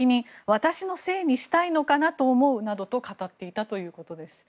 私のせいにしたいのかなと思うなどと語っていたということです。